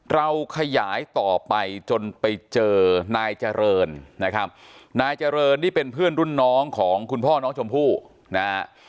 เราขยายต่อไปจนไปเจอนายเจริญนะครับนายเจริญนี่เป็นเพื่อนรุ่นน้องของคุณพ่อน้องชมพู่นะฮะ